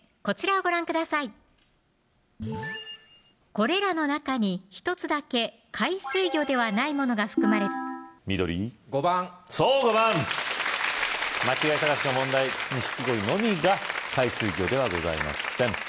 これらの中に１つだけ海水魚ではないものが含まれ緑５番そう５番間違い探しの問題ニシキゴイのみが海水魚ではございません